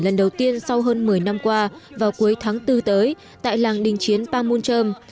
lần đầu tiên sau hơn một mươi năm qua vào cuối tháng bốn tới tại làng đình chiến pamunjom